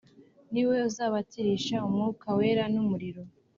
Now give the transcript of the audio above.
: Niwe uzababatirisha Umwuka Wera n’umuriro.